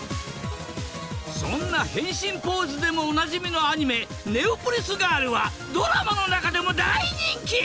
そんな変身ポーズでもおなじみのアニメ『ネオポリスガール』はドラマの中でも大人気！